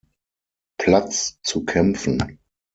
Platz zu kämpfen.